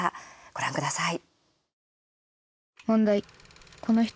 ご覧ください。